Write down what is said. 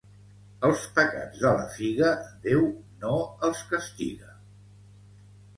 Els pecats de la figa, Déu no els castiga.